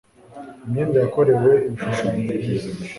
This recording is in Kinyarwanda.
Imyenda yakorewe ibishushanyo byiza